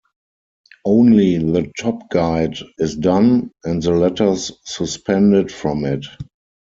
Only the top guide is done and the letters suspended from it.